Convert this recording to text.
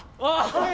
はい！